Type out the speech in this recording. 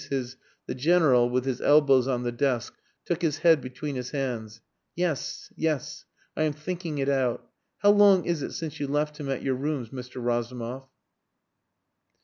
his..." The General, with his elbows on the desk, took his head between his hands. "Yes. Yes. I am thinking it out.... How long is it since you left him at your rooms, Mr. Razumov?"